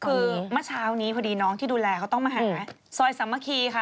คือมันเช้านี้น้องใดที่ดูแลเขาต้องมาหาซอยซามะคีค่ะ